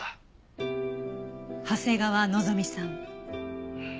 長谷川希美さん？